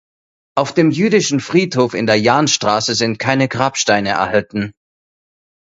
Auf dem jüdischen Friedhof in der Jahnstraße sind keine Grabsteine erhalten.